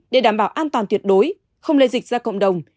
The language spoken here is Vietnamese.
để đảm bảo an toàn tuyệt đối không lây dịch ra cộng đồng